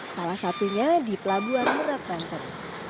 salah satunya di pelabuhan merak banten